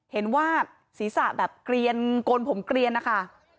เห็นว่าศีรษะแบบเกลียนโกนผมเกลียนนะคะ